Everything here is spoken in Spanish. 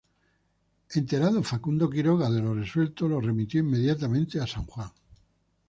Enterado Facundo Quiroga de lo resuelto lo remitió inmediatamente a San Juan.